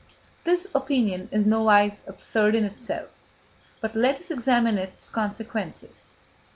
This opinion is nowise absurd in itself: but let us examine its consequences.